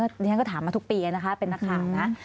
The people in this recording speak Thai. ดิฉันก็ถามมาทุกปีนะคะเป็นนักข่าวนะ